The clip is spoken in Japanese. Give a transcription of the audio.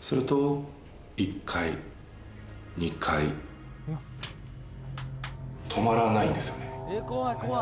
すると１階２階止まらないんですよね